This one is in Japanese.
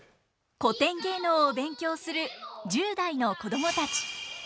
古典芸能を勉強する１０代の子供たち。